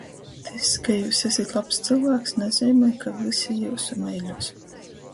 Tys, ka jius esit lobs cylvāks, nazeimoj, ka vysi jiusu meiļuos...